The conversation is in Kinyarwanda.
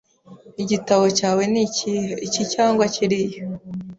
Igitabo cyawe nikihe, iki cyangwa kiriya?